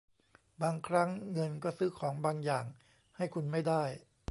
บางครั้งเงินก็ซื้อของบางอย่างให้คุณไม่ได้